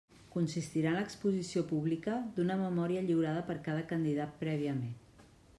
Consistirà en l'exposició pública d'una memòria lliurada per cada candidat prèviament.